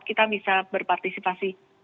kita bisa berpartisipasi